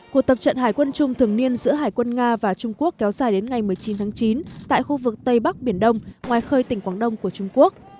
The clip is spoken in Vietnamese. cuộc tập trận hải quân chung thường niên giữa hải quân nga và trung quốc kéo dài đến ngày một mươi chín tháng chín tại khu vực tây bắc biển đông ngoài khơi tỉnh quảng đông của trung quốc